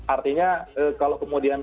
artinya kalau kemudian